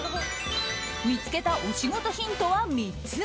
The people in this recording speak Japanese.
見つけたお仕事ヒントは３つ。